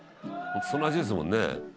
「その味ですもんねえ」